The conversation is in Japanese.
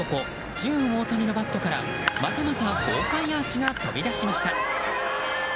ジューン大谷のバットからまたまた豪快アーチが飛び出しました。